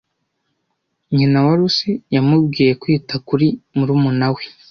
Nyina wa Lucy yamubwiye kwita kuri murumuna we.